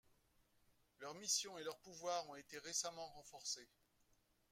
Leurs missions et leurs pouvoirs ont été récemment renforcés.